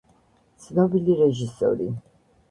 ცნობილი რეჟისორი